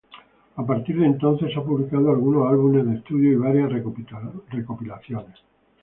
A partir de entonces ha publicado algunos álbumes de estudio y varias recopilaciones.